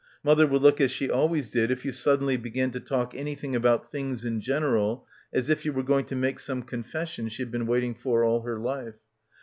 . mother would look as she al ways did if you suddenly began to talk anything about things in general as if you were going to make some confession she had been waiting for all her life.